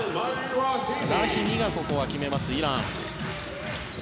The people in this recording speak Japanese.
ラヒミがここは決めますイラン。